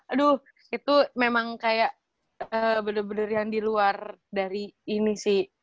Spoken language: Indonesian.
aduh itu memang kayak bener bener yang di luar dari ini sih